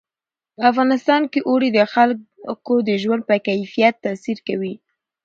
په افغانستان کې اوړي د خلکو د ژوند په کیفیت تاثیر کوي.